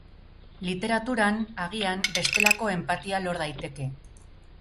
Literaturan, agian, bestelako enpatia lor daiteke.